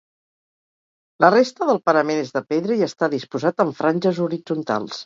La resta del parament és de pedra i està disposat amb franges horitzontals.